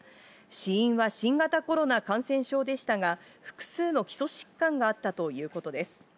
死因は新型コロナ感染症でしたが、複数の基礎疾患があったということです。